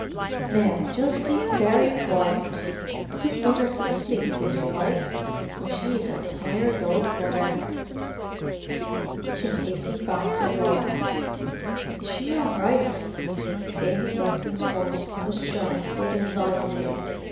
"Now just keep very quiet—put Mother to sleep, if you like, for she's a tired old mother." She hastened back to Norah. "Is she all right?" David Linton's voice was sharp with anxiety.